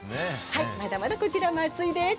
まだまだこちらも暑いです。